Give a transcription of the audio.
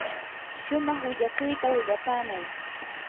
shumaq willakuyta willapaamay.